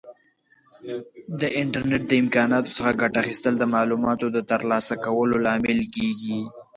د انټرنیټ د امکاناتو څخه ګټه اخیستل د معلوماتو د ترلاسه کولو لامل کیږي.